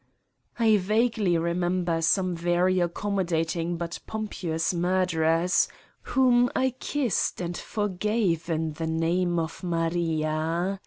I vaguely remember some very accommodating but pompous murderers, whom I kissed and for gave in the name of Maria.